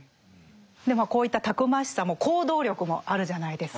こういったたくましさも行動力もあるじゃないですか。